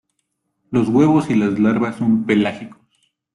Los huevos y las larvas son pelágicos.